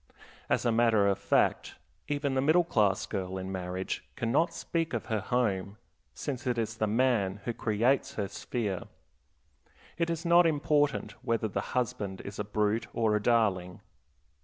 As a matter of fact, even the middle class girl in marriage can not speak of her home, since it is the man who creates her sphere. It is not important whether the husband is a brute or a darling.